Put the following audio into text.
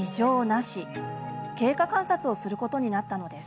経過観察をすることになったのです。